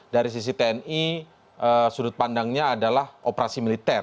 dari sisi tni sudut pandangnya adalah operasi militer